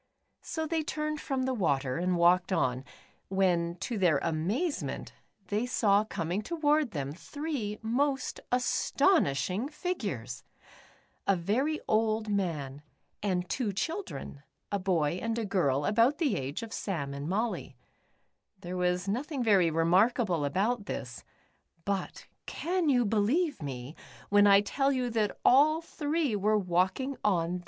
So they turned from the water, and walked on,, when to their amazement, they saw coming toward, them, three most astonishing figures ! A very old man, and two children, a boy and a girl about the age of Sam and Molly. There was nothing very remarkable about this, but can you believe me,, w^hen I tell you that all three were walking on.